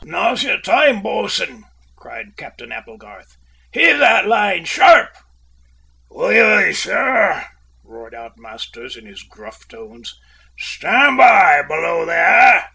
"Now's your time, bo'sun!" cried Captain Applegarth. "Heave that line, sharp!" "Aye, aye, sir," roared out Masters in his gruff tones. "Stand by, below there!"